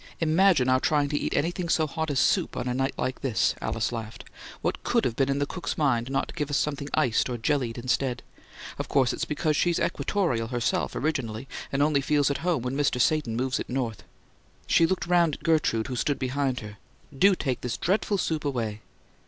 "Imagine our trying to eat anything so hot as soup on a night like this!" Alice laughed. "What COULD have been in the cook's mind not to give us something iced and jellied instead? Of course it's because she's equatorial, herself, originally, and only feels at home when Mr. Satan moves it north." She looked round at Gertrude, who stood behind her. "Do take this dreadful soup away!"